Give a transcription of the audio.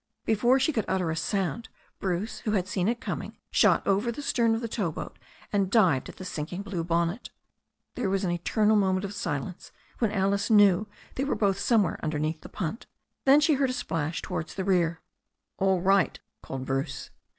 Before she could utter a sound Bruce, who had seen it coming, shot over the stern of the tow boat, and dived at the sinking blue bonnet. There was an eternal moment of silence when Alice knew they were both somewhere under neath the punt. Then she heard a splash towards the rear. "All right," called Bruce.